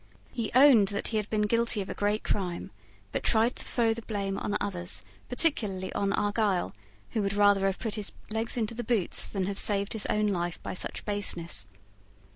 He owned that he had been guilty of a great crime, but tried to throw the blame on others, particularly on Argyle, who would rather have put his legs into the boots than have saved his own life by such baseness.